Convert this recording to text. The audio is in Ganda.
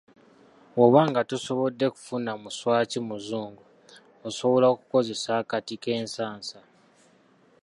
Bw'oba nga tosobodde kufuna muswaki muzungu, osobola okukozesa akati k'ensasa.